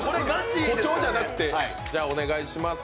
誇張じゃなくてお願いします